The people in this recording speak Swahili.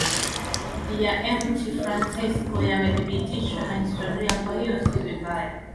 ya Mt Fransisko yamethibitishwa na historia Kwa hiyo si vibaya